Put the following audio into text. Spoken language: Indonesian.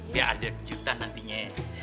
biar ada juta nantinya